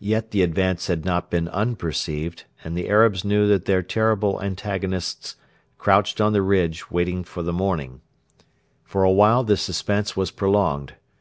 Yet the advance had not been unperceived, and the Arabs knew that their terrible antagonists crouched on the ridge waiting for the morning; For a while the suspense was prolonged.